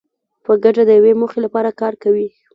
په ګډه د یوې موخې لپاره کار کوي.